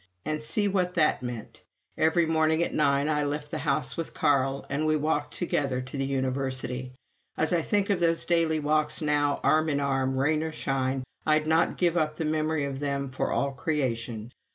And see what that meant. Every morning at nine I left the house with Carl, and we walked together to the University. As I think of those daily walks now, arm in arm, rain or shine, I'd not give up the memory of them for all creation.